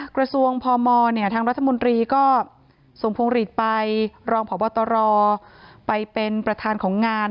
กระทรวงพมทางรัฐมนตรีก็ส่งพวงหลีดไปรองพบตรไปเป็นประธานของงาน